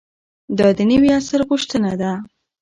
دا د نوي عصر غوښتنه ده.